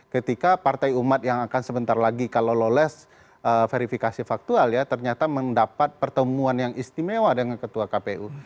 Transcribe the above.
ketika partai umat yang akan sebentar lagi kalau lolos verifikasi faktual ya ternyata mendapat pertemuan yang istimewa dengan ketua kpu